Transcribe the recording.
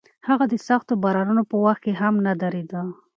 هغه د سختو بارانونو په وخت کې هم نه درېده.